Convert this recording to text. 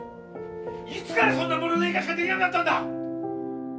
いつからそんなものの言い方しかできなくなったんだ！